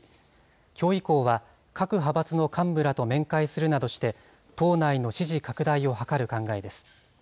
きょう以降は、各派閥の幹部らと面会するなどして、党内の支持拡大を図る考えです。